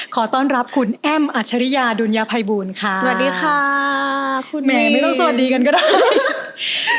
ขอต้อนรับคุณแอ้มอัจฉริยาดุลยภัยบูลค่ะสวัสดีค่ะคุณแม่ไม่ต้องสวัสดีกันก็ได้